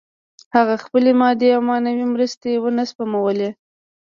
هغه خپلې مادي او معنوي مرستې ونه سپمولې